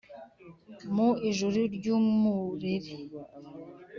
Mu ijuru ry'umurere.